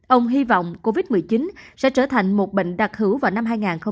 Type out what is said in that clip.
ông hy vọng covid một mươi chín sẽ trở thành một bệnh đặc hữu vào năm hai nghìn hai mươi